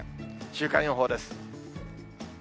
週間予報です。